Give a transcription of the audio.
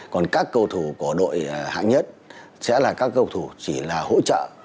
còn các cầu thủ của đội hạng nhất sẽ là các cầu thủ chỉ là hỗ trợ